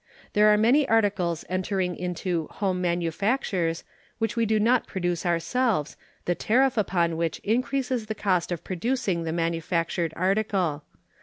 There are many articles entering into "home manufactures" which we do not produce ourselves the tariff upon which increases the cost of producing the manufactured article.